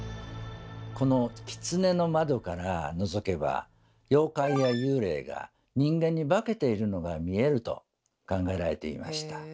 この狐の窓からのぞけば妖怪や幽霊が人間に化けているのが見えると考えられていました。